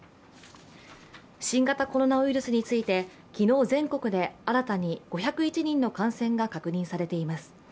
新型コロナウイルスについて昨日、全国で新たに５０１人の感染が確認されています。